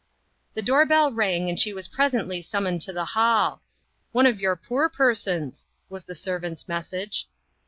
The door bell rang, and she was presently summoned to the hall. " One of your poor persons," was the ser vant's message.